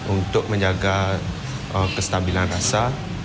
untuk menjaga kestabilan rasa